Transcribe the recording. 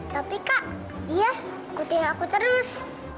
tapi kak iya ikutin aku terus